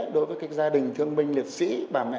đối với các gia đình thương binh liệt sĩ bà mẹ